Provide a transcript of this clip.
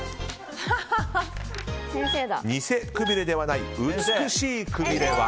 ニセくびれではない美しいくびれは。